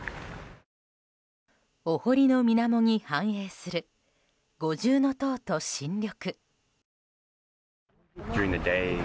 お堀の水面に反映する五重塔と新緑。